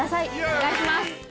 お願いします。